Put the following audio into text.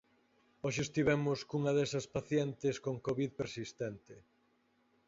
Hoxe estivemos cunha desas pacientes con covid persistente.